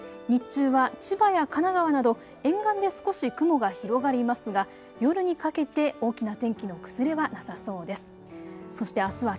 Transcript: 日中は千葉や神奈川など沿岸で少し雲が広がりますが夜にかけて大きな天気の崩れはなさそうです。